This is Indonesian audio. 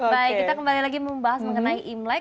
baik kita kembali lagi membahas mengenai imlek